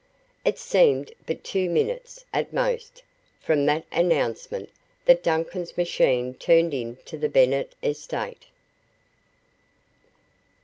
It seemed but two minutes, at most, from that announcement that Duncan's machine turned into the Bennet estate.